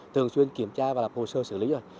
thường xuyên kiểm tra và lập hồ sơ xử lý rồi